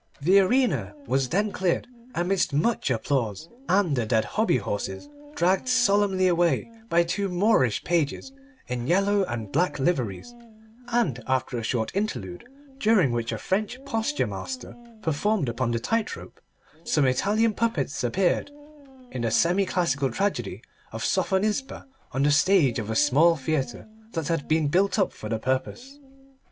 The arena was then cleared amidst much applause, and the dead hobby horses dragged solemnly away by two Moorish pages in yellow and black liveries, and after a short interlude, during which a French posture master performed upon the tightrope, some Italian puppets appeared in the semi classical tragedy of Sophonisba on the stage of a small theatre that had been built up for the purpose.